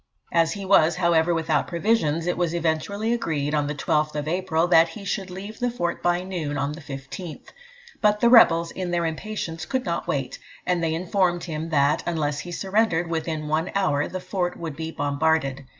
As he was, however, without provisions, it was eventually agreed, on the 12th April, that he should leave the fort by noon on the 15th. But the rebels, in their impatience, could not wait, and they informed him that, unless he surrendered within one hour, the fort would be bombarded.